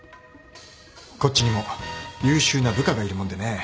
こっちにも優秀な部下がいるもんでねぇ。